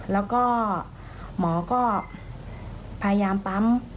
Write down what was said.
แล้วก็หมอก็พยายามปั๊ม